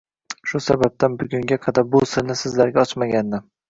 Shu sababdan bugunga qadar bu sirni sizlarga ochmagandim.